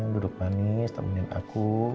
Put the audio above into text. duduk manis temenin aku